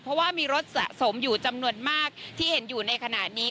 เพราะว่ามีรถสะสมอยู่จำนวนมากที่เห็นอยู่ในขณะนี้